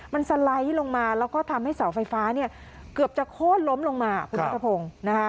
มันสไลด์ลงมาแล้วก็ทำให้เสาไฟฟ้าเกือบจะโค้นล้มลงมาคุณนัทพงศ์